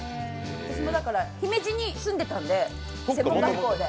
私も姫路に住んでたんで専門学校で。